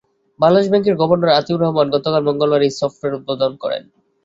বাংলাদেশ ব্যাংকের গভর্নর আতিউর রহমান গতকাল মঙ্গলবার এই সফটওয়্যারের উদ্বোধন করেন।